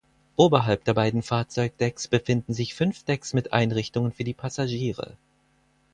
Oberhalb der beiden Fahrzeugdecks befinden sich fünf Decks mit Einrichtungen für die Passagiere.